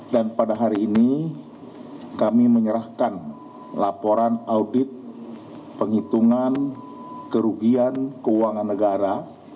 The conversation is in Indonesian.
dan pada hari ini kami menyerahkan laporan audit penghitungan kerugian keuangan negara